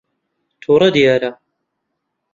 تووڕە دیارە.